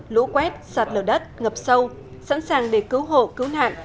lũ quét sạt lở đất ngập sâu sẵn sàng để cứu hộ cứu nạn